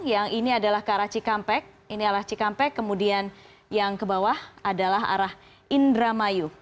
yang ini adalah ke arah cikampek kemudian yang ke bawah adalah arah indramayu